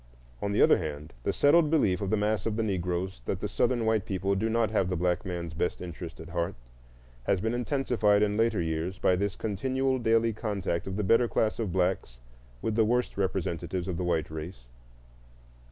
On the other hand, the settled belief of the mass of the Negroes that the Southern white people do not have the black man's best interests at heart has been intensified in later years by this continual daily contact of the better class of blacks with the worst representatives of the white race.